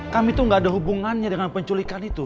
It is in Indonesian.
kami itu gak ada hubungannya dengan penculikan itu